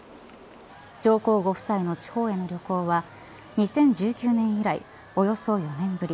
上皇ご夫妻の地方への旅行は２０１９年以来およそ４年ぶり。